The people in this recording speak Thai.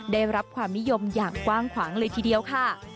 ได้รับความนิยมอย่างกว้างขวางเลยทีเดียวค่ะ